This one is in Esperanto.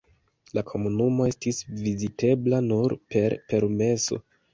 La komunumo estis vizitebla nur per permeso.